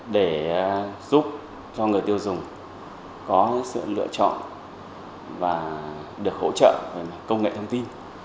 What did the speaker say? để giúp cho người tiêu dùng có sự lựa chọn và được hỗ trợ công nghệ thông tin